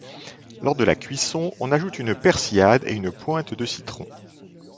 Lors de la cuisson, on ajoute une persillade et une pointe de citron.